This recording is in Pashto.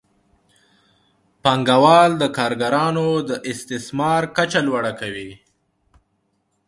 پانګوال د کارګرانو د استثمار کچه لوړه کوي